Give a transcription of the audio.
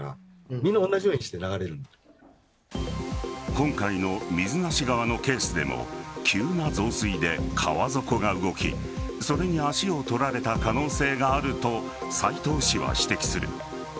今回の水無川のケースでも急な増水で川底が動きそれに足を取られた可能性があると斎藤氏は指摘する。